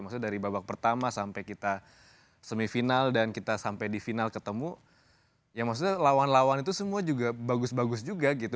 maksudnya dari babak pertama sampai kita semifinal dan kita sampai di final ketemu ya maksudnya lawan lawan itu semua juga bagus bagus juga gitu